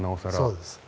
そうです。